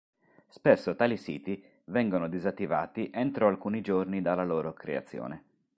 Spesso tali siti vengono disattivati entro alcuni giorni dalla loro creazione.